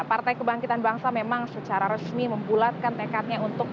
partai kebangkitan bangsa memang secara resmi membulatkan tekadnya untuk